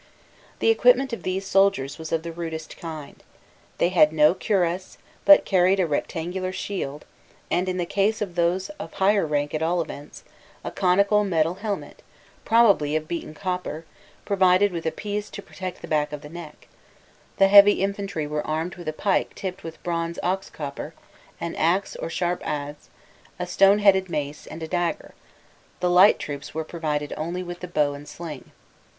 The equipment of these soldiers was of the rudest kind: they had no cuirass, but carried a rectangular shield, and, in the case of those of higher rank at all events, a conical metal helmet, probably of beaten copper, provided with a piece to protect the back of the neck; the heavy infantry were armed with a pike tipped with bronze ox copper, an axe or sharp adze, a stone headed mace, and a dagger; the light troops were provided only with the bow and sling.